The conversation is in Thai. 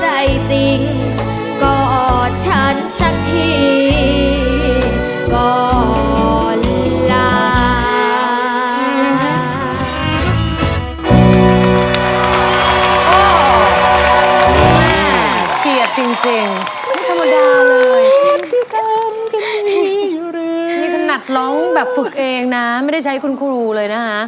เชียดจริงจริงไม่ธรรมดาเลยนี่ขนาดร้องแบบฝึกเองนะไม่ได้ใช้คุณครูเลยนะฮะ